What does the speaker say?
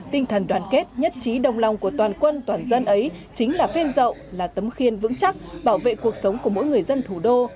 tinh thần đoàn kết nhất trí đồng lòng của toàn quân toàn dân ấy chính là phên dậu là tấm khiên vững chắc bảo vệ cuộc sống của mỗi người dân thủ đô